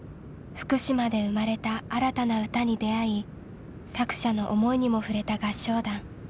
福島で生まれた新たな歌に出会い作者の思いにも触れた合唱団。